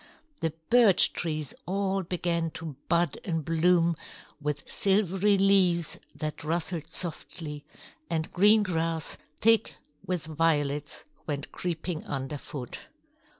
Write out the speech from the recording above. The birch trees all began to bud and bloom with silvery leaves that rustled softly; and green grass, thick with violets, went creeping underfoot.